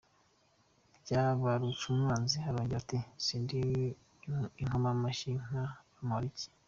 Byabarumwanzi arongera ati sindi inkomamashyi nka Bamporiki.